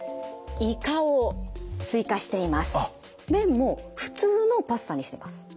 麺もふつうのパスタにしています。